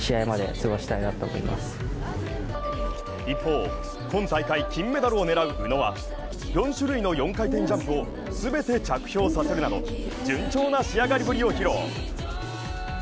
一方、今大会金メダルを狙う宇野は、４種類の４回転ジャンプを、全て着氷させるなど順調な仕上がりぶりを披露。